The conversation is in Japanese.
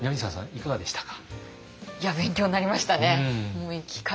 いかがでしたか？